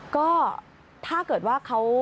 ก็ถ้าเกิดว่าเขา